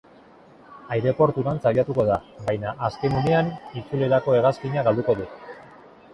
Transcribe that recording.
Aireporturantz abiatuko da, baina azken unean itzulerako hegazkina galduko du.